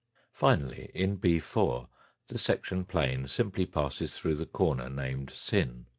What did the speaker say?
Finally in b 4 the section plane simply passes through the corner named sin.